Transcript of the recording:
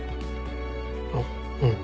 あっうん。